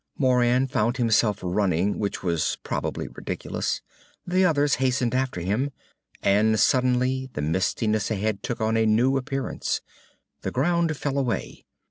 Moran found himself running, which was probably ridiculous. The others hastened after him. And suddenly the mistiness ahead took on a new appearance. The ground fell away.